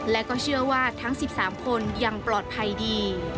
และก็เชื่อว่าทั้ง๑๓คนยังปลอดภัยดี